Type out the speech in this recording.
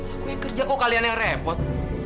aku yang kerja kok kalian yang repot